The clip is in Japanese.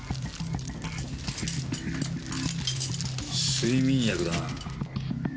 睡眠薬だな。